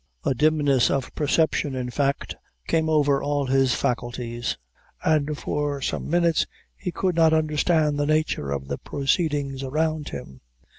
A dimness of perception, in fact, came ever all his faculties, and for some minutes he could not understand the nature of the proceedings around him.